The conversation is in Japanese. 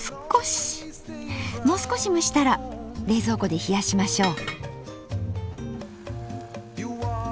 もう少し蒸したら冷蔵庫で冷やしましょう。